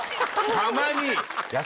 たまに！